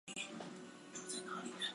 这种战力相当两极化。